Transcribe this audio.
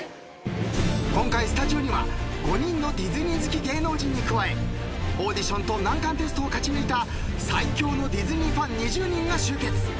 今回スタジオには５人のディズニー好き芸能人に加えオーディションと難関テストを勝ち抜いた最強のディズニーファン２０人が集結。